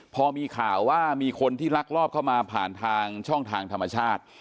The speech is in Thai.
พอมีข่าวว่ามีคนที่ลักลอบเข้ามาผ่านทางช่องทางธรรมชาติ